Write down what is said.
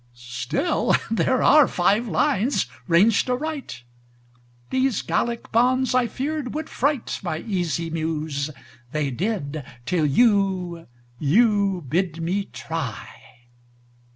Still, there are five lines ranged aright. These Gallic bonds, I feared, would fright My easy Muse. They did, till you You bid me try!